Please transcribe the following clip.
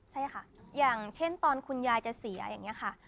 ใช่ค่ะอย่างเช่นตอนคุณยายจะเสียอย่างนี้ค่ะ